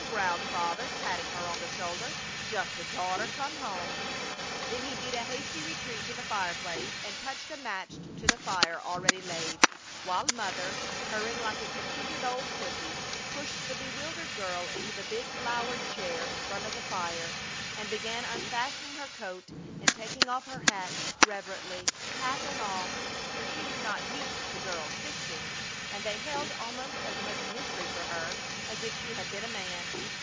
growled Father, patting her on the shoulder. "Just a daughter come home!" Then he beat a hasty retreat to the fireplace and touched a match to the fire already laid, while Mother, purring like a contented old pussy, pushed the bewildered girl into the big flowered chair in front of the fire and began unfastening her coat and taking off her hat, reverently, half in awe, for she was not used to girl's fixings, and they held almost as much mystery for her as if she had been a man.